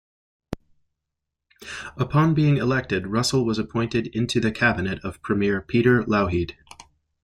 Upon being elected Russell was appointed into the cabinet of Premier Peter Lougheed.